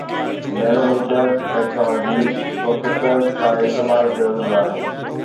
Nanometer technology processors لاء استعمال ڪيو ويندو آهي